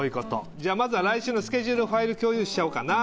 じゃまずは来週のスケジュールをファイル共有しちゃおうかな？